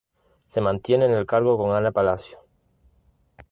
Se mantiene en el cargo con Ana Palacio.